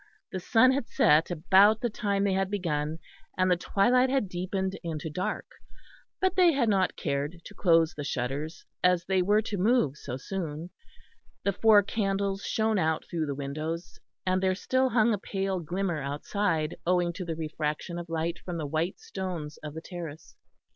The sun had set about the time they had begun, and the twilight had deepened into dark; but they had not cared to close the shutters as they were to move so soon. The four candles shone out through the windows, and there still hung a pale glimmer outside owing to the refraction of light from the white stones of the terrace.